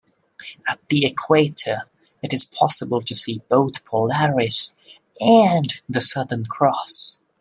At the equator, it is possible to see both Polaris and the Southern Cross.